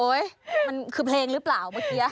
มันคือเพลงหรือเปล่าเมื่อกี้